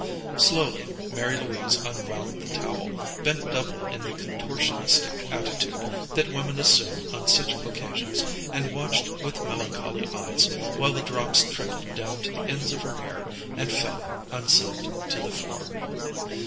Slowly Mary Louise unwound the towel, bent double in the contortionistic attitude that women assume on such occasions, and watched with melancholy eyes while the drops trickled down to the ends of her hair, and fell, unsunned, to the floor.